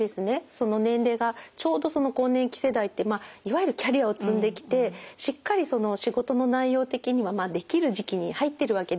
年齢がちょうど更年期世代っていわゆるキャリアを積んできてしっかり仕事の内容的にはできる時期に入ってるわけですね。